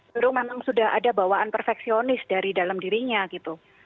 dulu memang sudah ada bawaan perfeksionis dari dalam dirinya gitu